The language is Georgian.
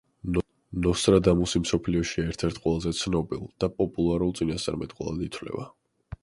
ნოსტრადამუსი მსოფლიოში ერთ-ერთ ყველაზე ცნობილ და პოპულარულ წინასწარმეტყველად ითვლება.